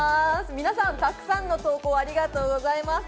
皆さん、たくさんの投稿ありがとうございます。